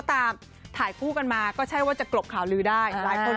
ใช่ใช่ใช่ใช่ใช่ใช่ใช่ใช่ใช่ใช่ใช่